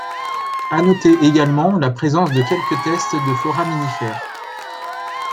À noter également la présence de quelques tests de foraminifères.